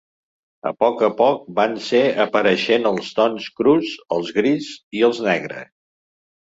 A poc a poc van ser apareixent els tons crus, el gris i el negre.